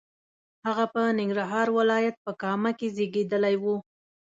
هغه په ننګرهار ولایت په کامه کې زیږېدلی و.